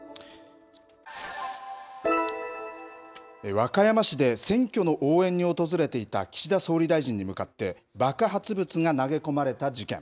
和歌山市で選挙の応援に訪れていた岸田総理大臣に向かって、爆発物が投げ込まれた事件。